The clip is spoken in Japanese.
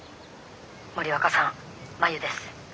森若さん真夕です。